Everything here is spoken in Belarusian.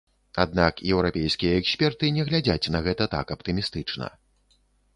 Аднак еўрапейскія эксперты не глядзяць на гэта так аптымістычна.